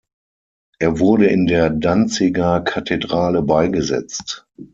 Er wurde in der Danziger Kathedrale beigesetzt.